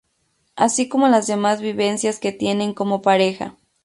Así como las demás vivencias que tienen como pareja.